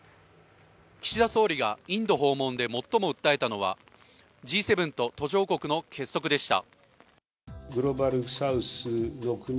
岸田総理がインド訪問で最も訴えたのはＧ７と途上国の結束でした。